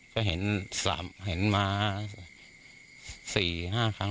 ก็เห็นสามเห็นมาสี่ห้าครั้ง